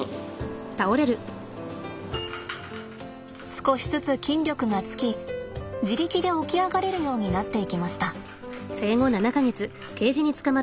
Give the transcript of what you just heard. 少しずつ筋力がつき自力で起き上がれるようになっていきました。